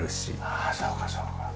ああそうかそうか。